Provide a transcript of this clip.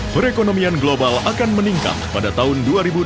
perekonomian global akan meningkat pada tahun dua ribu dua puluh